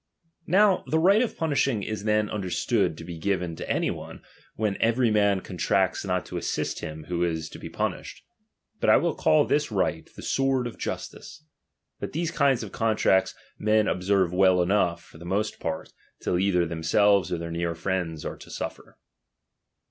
Now, the right of punishing is then under wimi tht sword stood to be given to any one, when every man" """ Contracts not to assist him who is to be punished. But I will call this right, the sword of justice. But these kind of contracts men observe well Enough, for the most part, till either themselves or tlieir near friends are to suffer.